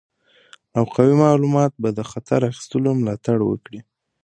او قوي معلومات به د خطر اخیستلو ملاتړ وکړي.